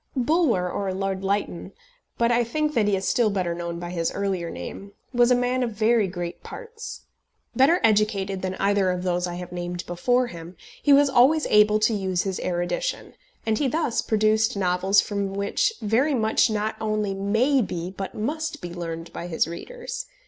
Bulwer, or Lord Lytton, but I think that he is still better known by his earlier name, was a man of very great parts. Better educated than either of those I have named before him, he was always able to use his erudition, and he thus produced novels from which very much not only may be but must be learned by his readers.